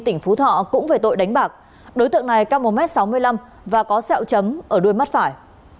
tỉnh phú thọ cũng về tội đánh bạc đối tượng này cao một m sáu mươi năm và có sẹo chấm ở đuôi mắt phải